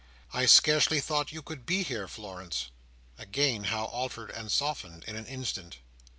"I scarcely thought you could be here, Florence." Again, how altered and how softened, in an instant!